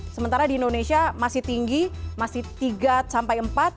sementara di indonesia masih tinggi masih tiga sampai empat